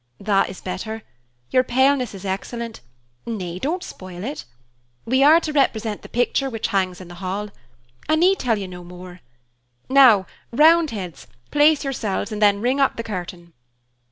"That is better; your paleness is excellent nay, don't spoil it. We are to represent the picture which hangs in the Hall. I need tell you no more. Now, Roundheads, place yourselves, and then ring up the curtain."